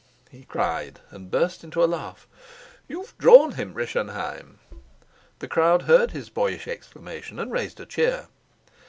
he cried, and burst into a laugh. "You've drawn him, Rischenheim!" The crowd heard his boyish exclamation and raised a cheer.